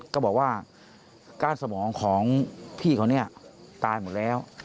ก็บอกว่าก้านสมองของพี่เขาเนี่ยตายหมดแล้ว